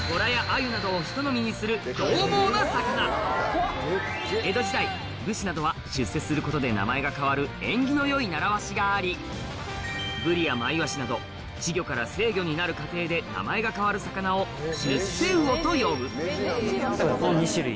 どう猛な魚江戸時代武士などは出世することで名前が変わる縁起の良い習わしがありブリやマイワシなど稚魚から成魚になる過程で名前が変わる魚を「出世魚」と呼ぶこの２種類。